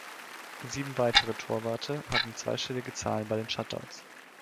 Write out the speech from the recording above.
Sieben weitere Torwarte hatten zweistellige Zahlen bei den Shutouts.